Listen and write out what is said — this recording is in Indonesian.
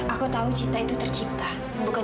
aku tahu cinta itu tercipta bukan